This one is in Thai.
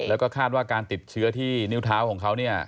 แล้วก็คาดว่าการติดเชื้อที่นิ้วเท้าของเขาเนี่ย